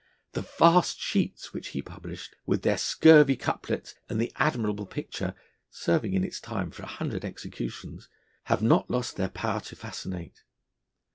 The vast sheets, which he published with their scurvy couplets, and the admirable picture, serving in its time for a hundred executions, have not lost their power to fascinate.